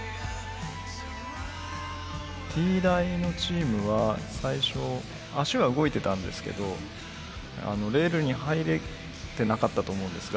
Ｔ大のチームは最初足は動いてたんですけどレールに入れてなかったと思うんですが。